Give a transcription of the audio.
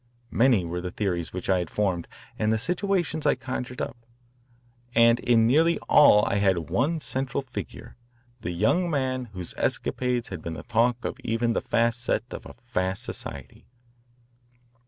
Many were the theories which I had formed and the situations I conjured up, and in nearly all I had one central figure, the young man whose escapades had been the talk of even the fast set of a fast society.